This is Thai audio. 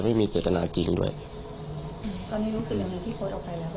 ไม่มีเจตนาจริงด้วยอืมตอนนี้รู้สึกยังไงที่โพสต์ออกไปแล้วค่ะ